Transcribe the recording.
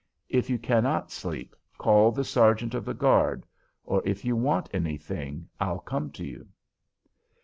If you cannot sleep, call the sergeant of the guard; or if you want anything, I'll come to you."